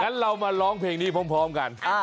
งั้นเรามาร้องเพลงนี้พร้อมกัน